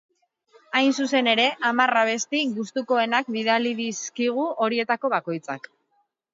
Hain zuzen ere, hamar abesti gustukoenak bidali dizkigu horietako bakoitzak.